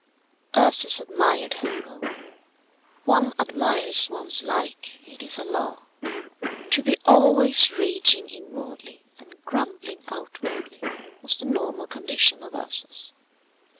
Ursus admired Homo. One admires one's like. It is a law. To be always raging inwardly and grumbling outwardly was the normal condition of Ursus.